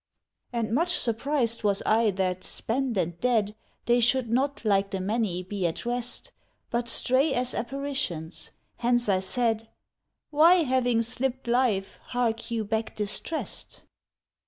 And much surprised was I that, spent and dead, They should not, like the many, be at rest, But stray as apparitions; hence I said, "Why, having slipped life, hark you back distressed?